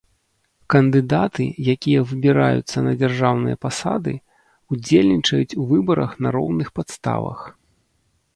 Кандыдаты, якія выбіраюцца на дзяржаўныя пасады, удзельнічаюць у выбарах на роўных падставах.